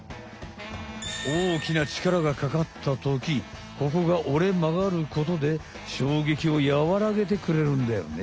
おおきな力がかかったときここが折れまがることでしょうげきをやわらげてくれるんだよね。